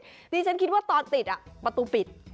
ดิฉันคิดว่าตอนติดประตูปิด